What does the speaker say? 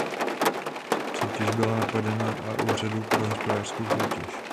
Soutěž byla napadena u Úřadu pro hospodářskou soutěž.